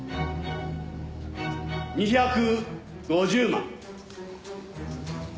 ２５０万。